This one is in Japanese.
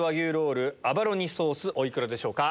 お幾らでしょうか？